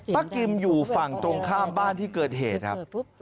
กิมอยู่ฝั่งตรงข้ามบ้านที่เกิดเหตุครับ